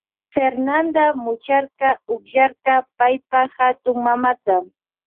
Fernanda mucharka ukllarka paypa hatunmamata.